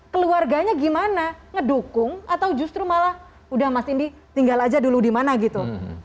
keluarganya gimana ngedukung atau justru malah udah mas indi tinggal aja dulu di mana gitu